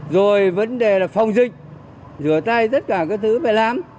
rồi vấn đề là phòng dịch rửa tay tất cả các thứ phải làm